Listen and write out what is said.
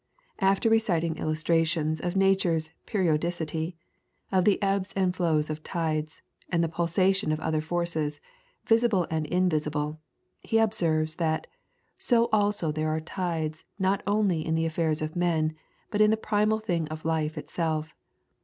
After reciting illustrations of nature's periodicity, of the ebbs and flows of tides, and the pulsation of other forces, visible and invisible, he observes that "so also there are tides not only in the af fairs of men, but in the primal thing of life it self.